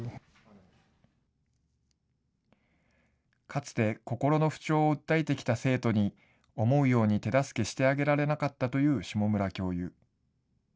かつて心の不調を訴えてきた生徒に思うように手助けしてあげられなかったという霜村教諭。